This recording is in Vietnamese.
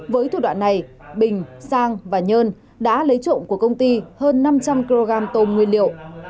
với thủ đoạn này bình sang và nhơn đã lấy trộm của công ty hơn năm trăm linh kg tôm nguyên liệu